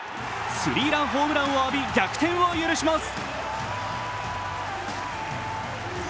スリーランホームランを浴び逆転を許します。